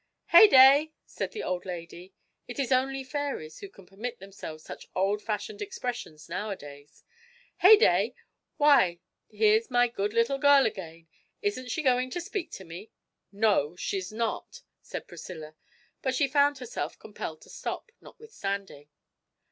'Heyday!' said the old lady (it is only fairies who can permit themselves such old fashioned expressions nowadays). 'Heyday, why, here's my good little girl again! Isn't she going to speak to me?' 'No, she's not,' said Priscilla but she found herself compelled to stop, notwithstanding.